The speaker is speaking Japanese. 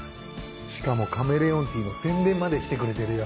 しかもカメレオンティーの宣伝までしてくれてるよ。